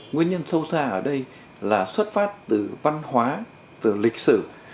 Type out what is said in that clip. nguyên nhân sâu xa ở đây là xuất phát từ văn hóa từ lịch sử